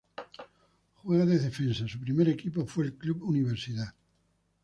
Juega de defensa, su primer equipo fue el Club Universidad.